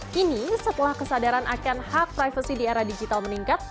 kini setelah kesadaran akan hak privasi di era digital meningkat